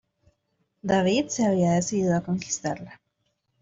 David se había decidido a conquistarla.